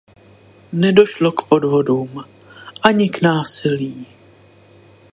Nedošlo k podvodům ani k násilí.